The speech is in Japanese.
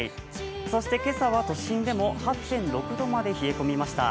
そして今朝は都心でも８．６度まで冷え込みました。